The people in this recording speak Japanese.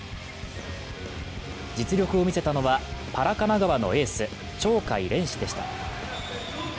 実力を見せたのはパラ神奈川のエース・鳥海連志でした。